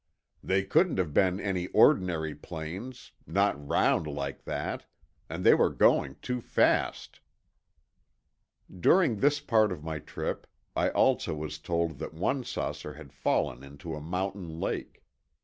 "They couldn't have been any ordinary planes; not round like that. And they were going too fast." During this part of my trip, I also was told that one saucer had fallen into a mountain lake.